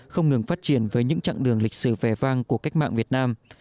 không ngừng phát triển với những chặng đường lịch sử vẻ vang của cách mạng việt nam